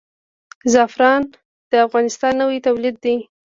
زعفران د افغانستان نوی تولید دی.